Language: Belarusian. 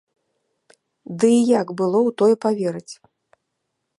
Ды і як было ў тое паверыць?